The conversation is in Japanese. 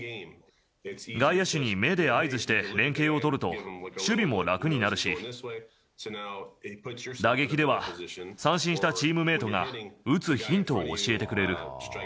外野手に目で合図して連係を取ると、守備も楽になるし、打撃では、三振したチームメートが打つヒントを教えてくれる。